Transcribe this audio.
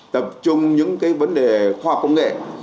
tập trung những vấn đề khoa học công nghệ